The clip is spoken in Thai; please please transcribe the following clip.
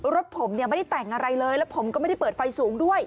รถผมเนี่ยไม่ได้แต่งอะไรเลยแล้วผมก็ไม่ได้เปิดไฟสูงด้วย